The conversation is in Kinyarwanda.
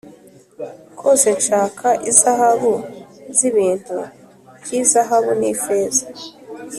kose nshaka izahabu z ibintu by izahabu n ifeza